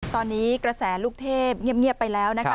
ตอนนี้กระแสลูกเทพเงียบไปแล้วนะคะ